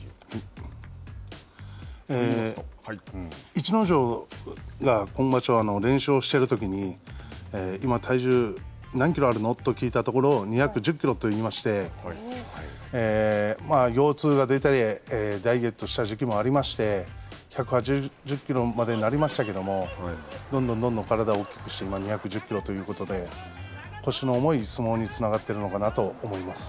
逸ノ城が今場所連勝しているときに今、体重何キロあるのと聞いたところ、２１０キロと言いまして腰痛が出て、ダイエットした時期もありまして、１８０キロまでになりましたけどどんどん体を大きくして、２１０キロということで腰の重い相撲につながっているのかなと思います。